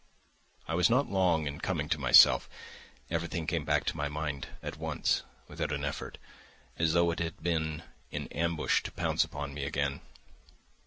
I was not long in coming to myself; everything came back to my mind at once, without an effort, as though it had been in ambush to pounce upon me again.